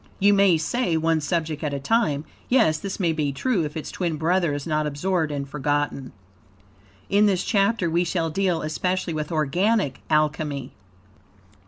You may say, one subject at a time. Yes, this may be true, if its twin brother is not absorbed and forgotten. In this chapter, we shall deal especially with organic Alchemy.